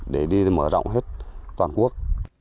để đi mở rộng hết toàn quốc